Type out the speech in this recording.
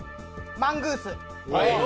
マングース。